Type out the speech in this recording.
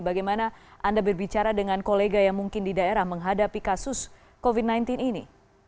bagaimana anda berbicara dengan kolega yang mungkin di daerah menghadapi kasus covid sembilan belas ini